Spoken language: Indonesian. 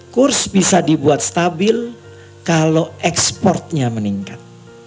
kurs bisa dibuat stabil kalau ekspornya meningkat